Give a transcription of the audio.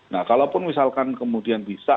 nah kalaupun misalkan kemudian bisa